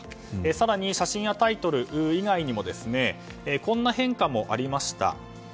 更に写真やタイトル以外にもこんな変化もありました。